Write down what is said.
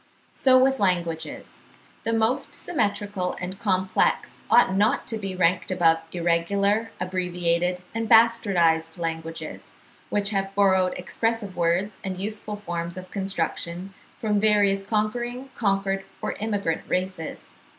So with languages: the most symmetrical and complex ought not to be ranked above irregular, abbreviated, and bastardised languages, which have borrowed expressive words and useful forms of construction from various conquering, conquered, or immigrant races.